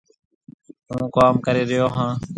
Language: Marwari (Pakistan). هُون ڪوم ڪري ريو هون۔